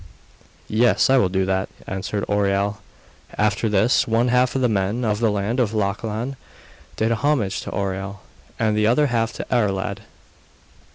'Yes, I will do that,' answered Oireal. After this, one half of the men of the land of Lochlann did homage to Oireal, and the other half to Iarlaid.